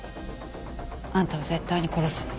「あんたを絶対に殺す」って。